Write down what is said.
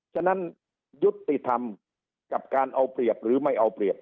ฉะนั้นยุติธรรมกับการเอาเปรียบหรือไม่เอาเปรียบ